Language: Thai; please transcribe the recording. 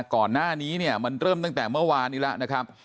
ก่อนหน้านี้เนี่ยมันเริ่มตั้งแต่เมื่อวานนี้แล้วนะครับ